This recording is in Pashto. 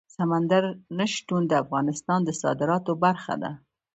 سمندر نه شتون د افغانستان د صادراتو برخه ده.